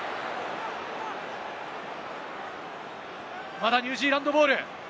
まだニュージーランドボール。